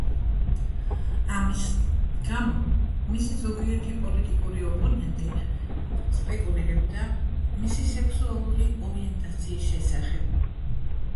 ამის გამო, მისი ზოგიერთი პოლიტიკური ოპონენტი სპეკულირებდა მისი სექსუალური ორიენტაციის შესახებ.